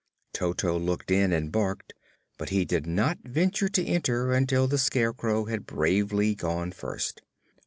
Toto looked in and barked, but he did not venture to enter until the Scarecrow had bravely gone first.